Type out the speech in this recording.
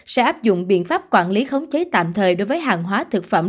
sẽ áp dụng biện pháp quản lý khống chế tạm thời đối với hàng hóa thực phẩm